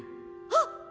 あっ！